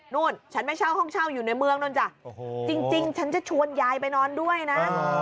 นู่นฉันไม่เช่าห้องเช่าอยู่ในเมืองนู้นจ้ะจริงฉันจะชวนยายไปนอนด้วยนะ